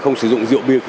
chờ người quá quy định